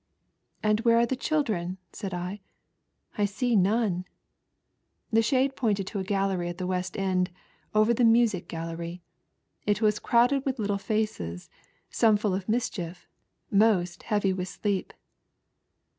"And where are the children?" said I, "I see none." The shade pointed to a gallery at the west end, over the music gallery. It waa crowded with little faces, some full of mischief, moat, heavy with sleep.